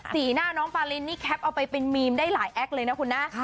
สีหน้าน้องปารินนี่แคปเอาไปเป็นมีมได้หลายแอคเลยนะคุณนะ